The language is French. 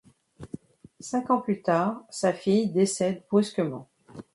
Cinq ans plus tard, sa fille décède brusquement.